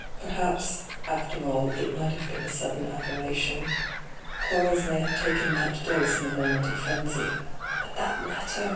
' Perhaps, after all, it might have been a sudden aberration. Quarles may have taken that dose in a moment of frenzy. But that letter